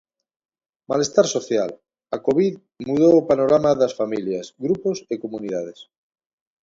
Malestar social. A Covid mudou o panorama das familias, grupos e comunidades.